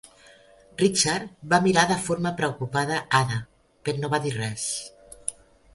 Richard va mirar de forma preocupada Ada, però no va dir res.